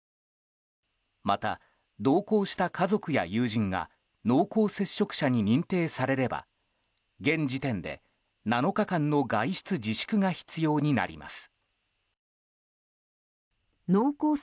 また、同行した家族や友人が濃厚接触者に認定されれば現時点で７日間の外出自粛が必要になります。